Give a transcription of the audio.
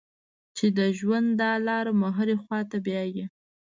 چې د ژوند دا لاره مو هرې خوا ته بیايي.